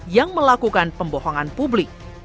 yang melakukan pembohongan publik